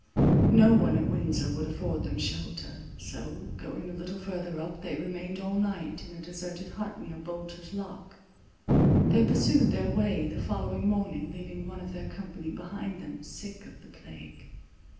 No one at Windsor would afford them shelter; so, going a little further up, they remained all night in a deserted hut near Bolter's lock. They pursued their way the following morning, leaving one of their company behind them, sick of the plague.